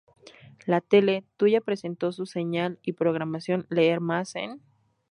La Tele Tuya presentó su señal y programación Leer más en